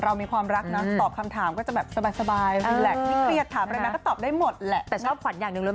แล้วตัวเขาเองโสดไหมคะ